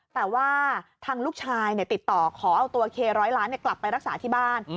แต่ว่าทางลูกชายติดต่อขอเอาตัวเคร้อยล้านกลับไปรักษาที่บ้าน